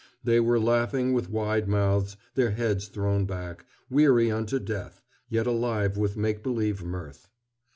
They were laughing with wide mouths, their heads thrown back, weary unto death, yet alive with make believe mirth.